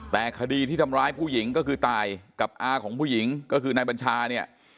แต่คดีที่ทำร้ายผู้หญิงก็คือตายกับอาของผู้หญิงก็คือนายบัญชาเนี่ย